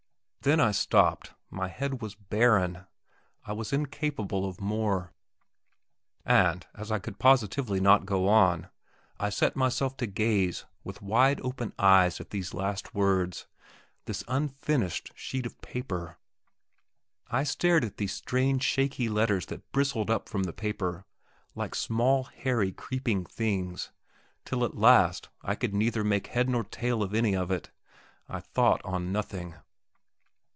Then I stopped, my head was barren; I was incapable of more. And, as I could positively not go on, I set myself to gaze with wide open eyes at these last words, this unfinished sheet of paper; I stared at these strange, shaky letters that bristled up from the paper like small hairy creeping things, till at last I could neither make head nor tail of any of it. I thought on nothing.